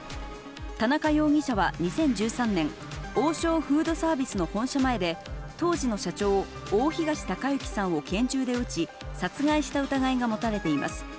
田中容疑者は２０１３年、王将フードサービスの本社前で、当時の社長、大東隆行さんを拳銃で撃ち、殺害した疑いが持たれています。